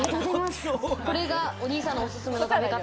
これがお兄さんのおすすめの食べ方。